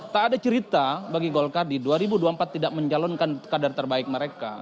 tak ada cerita bagi golkar di dua ribu dua puluh empat tidak mencalonkan kader terbaik mereka